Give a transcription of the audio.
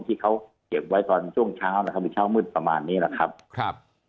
ที่เขาเก็บไว้ตอนช่วงเช้านะครับหรือเช้ามืดประมาณนี้แหละครับ